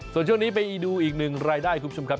ส่วนช่วงนี้ไปดูอีกหนึ่งรายได้คุณผู้ชมครับ